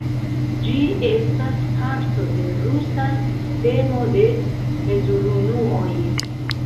Ĝi estas parto de rusa sistemo de mezurunuoj.